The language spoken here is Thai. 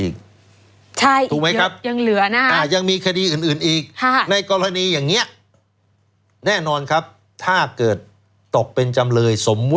ก็ครั้งแรกยังเบี้ยวไม่มาเลย